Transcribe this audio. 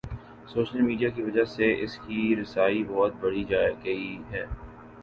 Social media کی وجہ سے اس کی رسائی بہت بڑھ گئی ہے۔